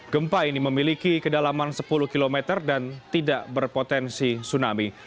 gempa ini memiliki kedalaman sepuluh km dan tidak berpotensi tsunami